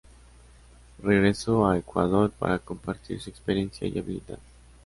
Regresó a Ecuador para compartir su experiencia y habilidades.